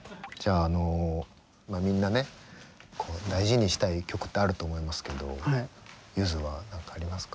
みんなね大事にしたい曲ってあると思いますけどゆづは何かありますか。